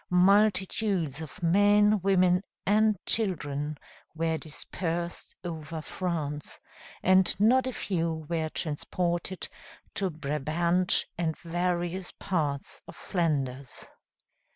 Multitudes of men, women, and children were dispersed over France, and not a few were transported to Brabant and various parts of Flanders.